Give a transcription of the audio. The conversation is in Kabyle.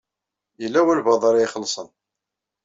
Yella walebɛaḍ ara ixelṣen.